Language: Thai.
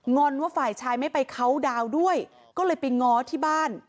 งอนว่าไฟล์ชายไม่ไปเขาดาวด้วยก็เลยไปง้อที่บ้าน